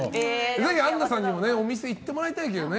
ぜひアンナさんにもお店、行ってもらいたいけどね。